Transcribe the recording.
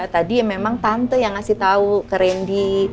tadi memang tante yang ngasih tahu ke randy